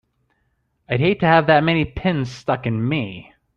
I'd hate to have that many pins stuck in me!